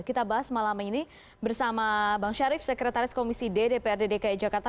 kita bahas malam ini bersama bang syarif sekretaris komisi ddprd dki jakarta